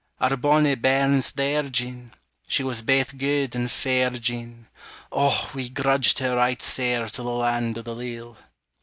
Our bonnie bairn 's there, Jean, She was baith guid and fair, Jean: O, we grudged her right sair To the land o' the leal!